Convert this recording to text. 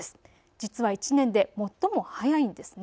実は１年で最も早いんですね。